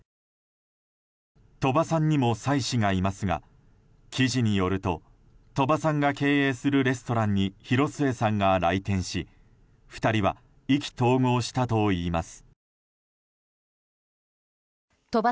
鳥羽さんにも妻子がいますが記事によると鳥羽さんが経営するレストランに広末さんが来店し２人は意気投合したといいます。